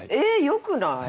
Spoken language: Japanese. よくない？